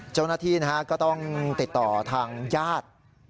เจ้าหน้าที่ก็ต้องติดต่อทางญาติ